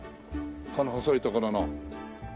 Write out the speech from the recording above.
この細い所の。